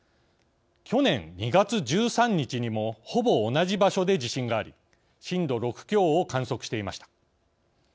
去年２月１３日にもほぼ同じ場所で地震があり震度６強を観測していました。